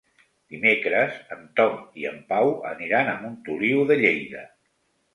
Dimecres en Tom i en Pau aniran a Montoliu de Lleida.